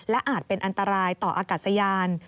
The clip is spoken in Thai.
และอาจเป็นอันตรายต่ออากาศยาน